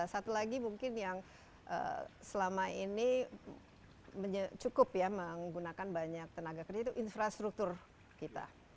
satu lagi mungkin yang selama ini cukup ya menggunakan banyak tenaga kerja itu infrastruktur kita